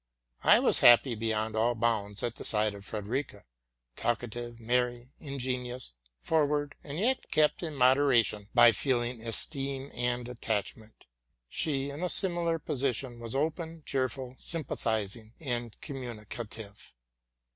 I was happy beyond all bounds at the side of Frederica, — talkative, merry, ingenious, forward, and yet kept in modera tion by feeling, esteem, and attachment. She, in a similar position, was open, cheerful, sympathizing, and communica tive.